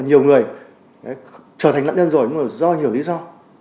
nhiều người trở thành nạn nhân rồi nhưng mà do nhiều lý do